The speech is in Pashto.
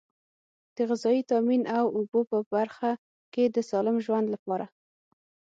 د غذایي تامین او اوبو په برخه کې د سالم ژوند لپاره.